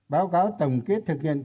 báo cáo tổng kết thực hiện